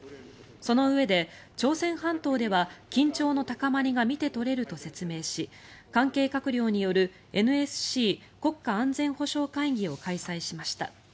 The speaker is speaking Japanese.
そのうえで、朝鮮半島では緊張の高まりが見て取れると説明し関係閣僚によるＮＳＣ・国家安全保障会議を開催しました。